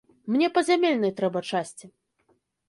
Мне па зямельнай трэба часці.